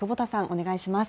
お願いします。